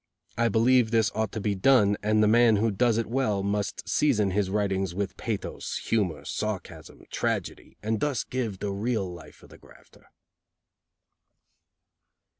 I believe this ought to be done, and the man who does it well must season his writings with pathos, humor, sarcasm, tragedy, and thus give the real life of the grafter."